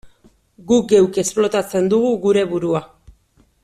Guk geuk esplotatzen dugu geure burua.